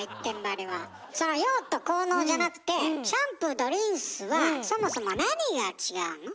その用途・効能じゃなくてシャンプーとリンスはそもそもなにが違うの？